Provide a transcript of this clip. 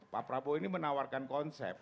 pak prabowo ini menawarkan konsep